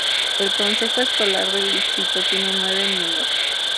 El consejo escolar del distrito tiene nueve miembros.